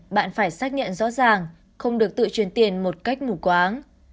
bạn phải xác nhận rõ ràng không được tự truyền tiền một cách mù quáng